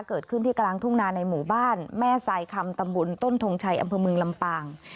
เกิดขึ้นที่กลางทุ่งนาในหมู่บ้านแม่ทรายคำตำบลต้นทงชัยอำเภอเมืองลำปาง